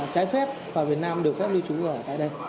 trái phép vào việt nam được phép lưu trú ở tại đây